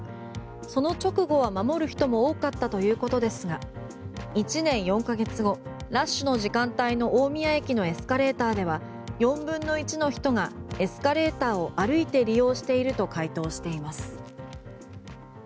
その直後は、守る人も多かったということですが１年４ヶ月後ラッシュの時間帯の大宮駅のエスカレーターでは４分の１の人がエスカレーターを歩いて利用していると回答しています。